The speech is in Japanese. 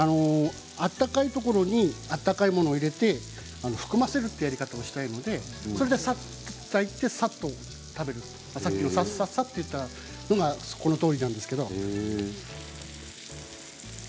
温かいところに温かいものを入れて含ませるというやり方をしたいのでさっと炊いてさっと食べるさっさっさといったところがこのとおりなんですけど。